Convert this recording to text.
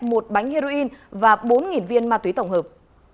một bánh heroin và bốn viên ma túy tổng hợp